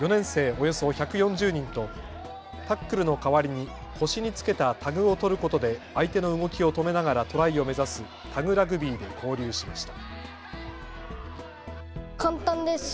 およそ１４０人とタックルの代わりに腰につけたタグを取ることで相手の動きを止めながらトライを目指すタグラグビーで交流しました。